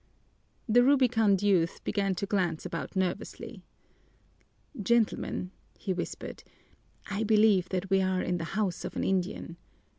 The rubicund youth began to glance about nervously. "Gentlemen," he whispered, "I believe that we are in the house of an Indian.